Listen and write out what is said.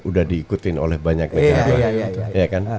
udah diikutin oleh banyak negara